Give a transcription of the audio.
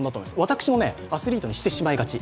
私もアスリートにしてしまいがち